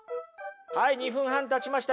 はい２分半たちました